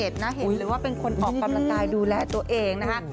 เห็นเลยว่าเป็นคนออกกำลังกายดูแลตัวเองนะคะ